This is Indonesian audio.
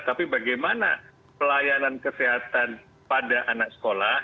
tapi bagaimana pelayanan kesehatan pada anak sekolah